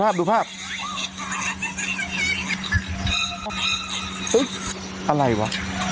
อะไรวะ